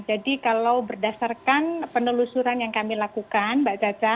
jadi kalau berdasarkan penelusuran yang kami lakukan mbak caca